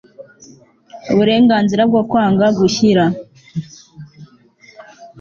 uburenganzira bwo kwanga gushyira